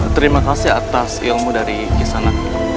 terima kasih atas ilmu dari kisana